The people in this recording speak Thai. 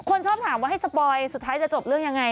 คนชอบถามว่าให้สปอยสุดท้ายจะจบเรื่องยังไง